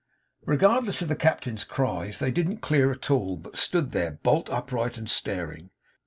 Regardless of the Captain's cries, they didn't clear at all, but stood there, bolt upright and staring.